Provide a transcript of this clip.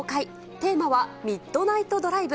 テーマはミッドナイトドライブ。